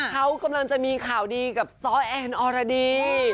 เขากำลังจะมีข่าวดีกับซ้อแอนอรดี